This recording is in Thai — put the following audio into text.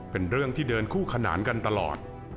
เป็นเรื่องที่เดินคู่ขนานกันตลอด